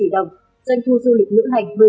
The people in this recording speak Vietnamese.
doanh thu du lịch lữ hành